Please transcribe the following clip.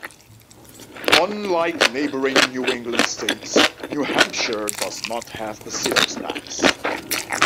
Unlike neighboring New England states New Hampshire does not have a sales tax.